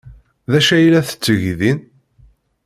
D acu ay la tetteg din?